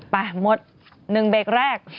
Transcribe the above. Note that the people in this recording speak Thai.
ไปหมด๑เบรกแรก